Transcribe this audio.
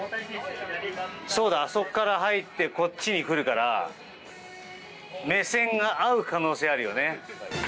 あそこから入ってこっちへ来るから目線が合う可能性があるよね。